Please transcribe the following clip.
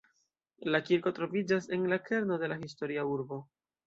La kirko troviĝas en la kerno de la historia urbo.